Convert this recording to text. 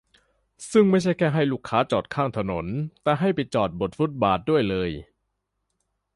ซึ่งไม่ใช่แค่ให้ลูกค้าจอดข้างถนน แต่ให้ไปจอดบทฟุตบาทด้วยเลย